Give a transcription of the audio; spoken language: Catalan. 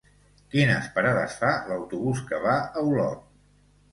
Quines parades fa l'autobús que va a Olot?